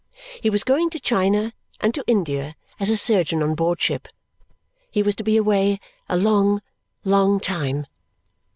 He was going to China and to India as a surgeon on board ship. He was to be away a long, long time.